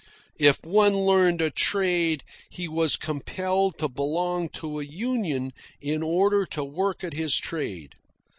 If one learned a trade, he was compelled to belong to a union in order to work at his trade.